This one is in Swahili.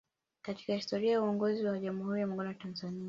Katika historia ya uongozi wa Jamhuri ya Muungano wa Tanzania